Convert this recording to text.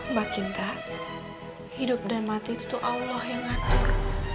mbak cinta hidup dan mati itu tuh allah yang ngatur